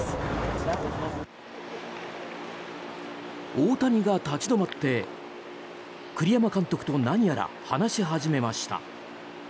大谷が立ち止まって栗山監督と何やら話し始めました。